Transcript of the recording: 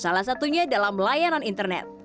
salah satunya dalam layanan internet